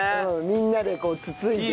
みんなでこうつついて。